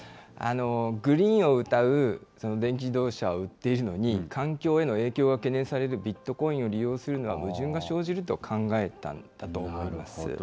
グリーンをうたう電気自動車を売っているのに、環境への影響が懸念されるビットコインを利用するのは矛盾が生じると考えたと思うんです。